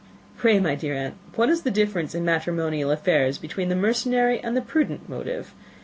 "Pray, my dear aunt, what is the difference in matrimonial affairs, between the mercenary and the prudent motive?